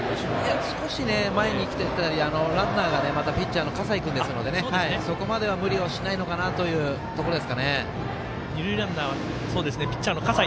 少し前に来ていますしランナーがピッチャーの葛西君ですのでそこまでは無理をしないかなというところですね。